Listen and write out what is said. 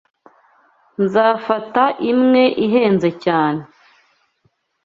Nzafata imwe ihenze cyane.